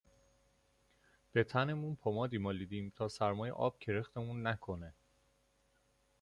به تنمون پمادی مالیدیم تا سرمای آب کرختمون نکنه